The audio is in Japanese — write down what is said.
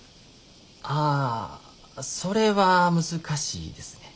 ああそれは難しいですね。